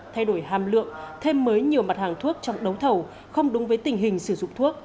thay đổi hàm lượng thêm mới nhiều mặt hàng thuốc trong đấu thầu không đúng với tình hình sử dụng thuốc